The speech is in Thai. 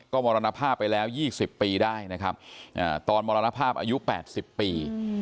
ก็มรณภาพไปแล้วยี่สิบปีได้นะครับอ่าตอนมรณภาพอายุแปดสิบปี